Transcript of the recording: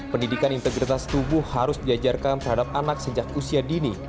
pendidikan integritas tubuh harus diajarkan terhadap anak sejak usia dini